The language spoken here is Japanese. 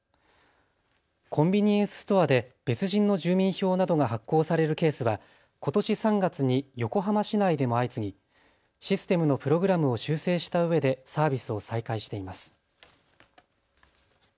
コンビニエンスストアで別人の住民票などが発行されるケースはことし３月に横浜市内でも相次ぎシステムのプログラムを修正したうえでサービスを再開しています。